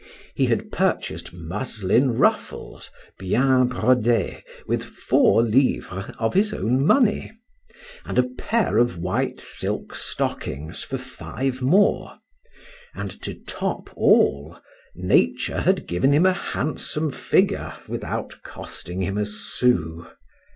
—He had purchased muslin ruffles, bien brodées, with four livres of his own money;—and a pair of white silk stockings for five more;—and to top all, nature had given him a handsome figure, without costing him a sous.